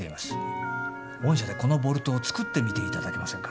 御社でこのボルトを作ってみていただけませんか？